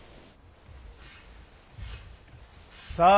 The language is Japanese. さあ！